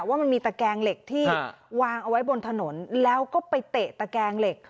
ว่ามันมีตะแกงเหล็กที่วางเอาไว้บนถนนแล้วก็ไปเตะตะแกงเหล็ก